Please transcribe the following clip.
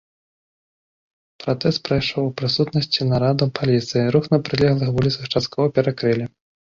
Пратэст прайшоў у прысутнасці нарадаў паліцыі, рух па прылеглых вуліцах часткова перакрылі.